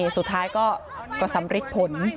สุดท้ายก็สำริดผล